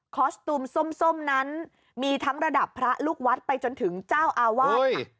สตูมส้มนั้นมีทั้งระดับพระลูกวัดไปจนถึงเจ้าอาวาส